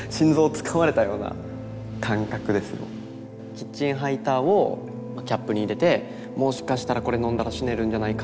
キッチンハイターをキャップに入れてもしかしたらこれ飲んだら死ねるんじゃないか。